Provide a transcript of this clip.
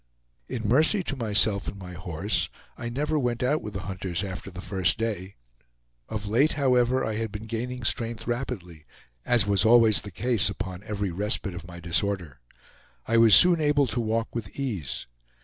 In mercy to myself and my horse, I never went out with the hunters after the first day. Of late, however, I had been gaining strength rapidly, as was always the case upon every respite of my disorder. I was soon able to walk with ease.